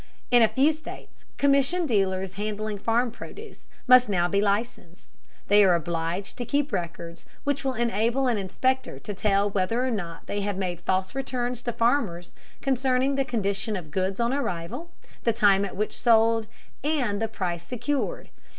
In a few states commission dealers handling farm produce must now be licensed. They are obliged to keep records which will enable an inspector to tell whether or not they have made false returns to farmers concerning the condition of goods on arrival, the time at which sold, and the price secured.